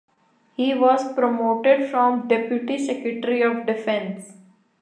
He was promoted from deputy secretary of defense.